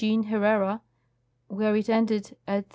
Jean Herrera, where it ended at 3h.